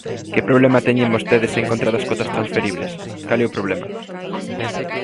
¿Que problema teñen vostedes en contra das cotas transferibles?, ¿cal é o problema?